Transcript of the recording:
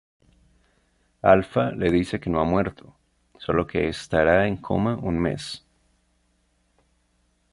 Alpha le dice que no ha muerto, solo que estará en coma un mes.